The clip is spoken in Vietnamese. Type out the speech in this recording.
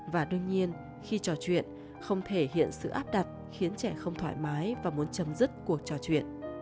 và đương nhiên khi trò chuyện không thể hiện sự áp đặt khiến trẻ không thoải mái và muốn chấm dứt cuộc trò chuyện